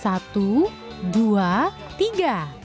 satu dua tiga